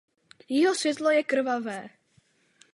Jeho světlo je krvavé.